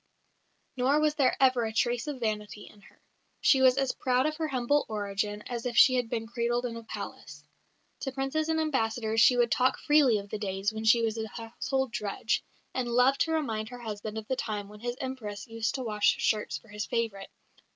Nor was there ever a trace of vanity in her. She was as proud of her humble origin as if she had been cradled in a palace. To princes and ambassadors she would talk freely of the days when she was a household drudge, and loved to remind her husband of the time when his Empress used to wash shirts for his favourite.